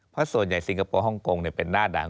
เพราะส่วนใหญ่สิงคโปร์ฮ่องกงเป็นหน้าดัง